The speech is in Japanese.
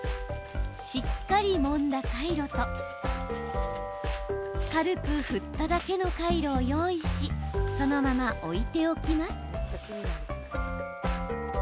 しっかりもんだカイロと軽く振っただけのカイロを用意しそのまま置いておきます。